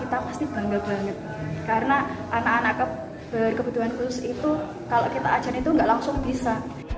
karena anak anak berkebutuhan khusus itu kalau kita ajarin itu nggak langsung bisa